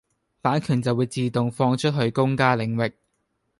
版權就會自動放出去公家領域。